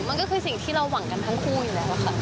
มันก็คือสิ่งที่เราหวังกันทั้งคู่อยู่แล้วค่ะ